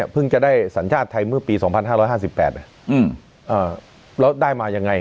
จะได้สัญชาติไทยเมื่อปี๒๕๕๘แล้วได้มายังไง